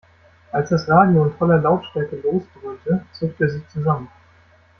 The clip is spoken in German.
Als das Radio in voller Lautstärke losdröhnte, zuckte sie zusammen.